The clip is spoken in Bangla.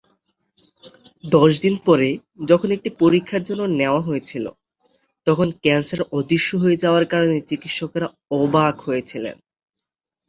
দশ দিন পরে, যখন তাকে একটি পরীক্ষার জন্য নেওয়া হয়েছিল, তখন ক্যান্সার অদৃশ্য হয়ে যাওয়ার কারণে চিকিৎসকরা অবাক হয়েছিলেন।